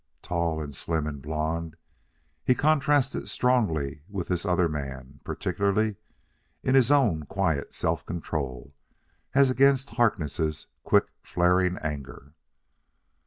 Tall and slim and blond, he contrasted strongly with this other man, particularly in his own quiet self control as against Harkness' quick flaring anger.